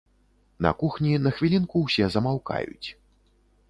На кухні на хвілінку ўсе замаўкаюць.